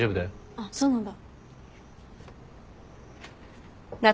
あっそうなんだ。